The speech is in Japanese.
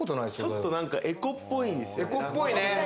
ちょっとエコっぽいんですよ。